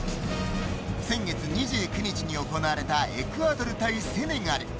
先月２９日に行われたエクアドル対セネガル。